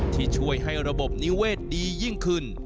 ที่ช่วยให้ระบบนิเวศดียิ่งขึ้น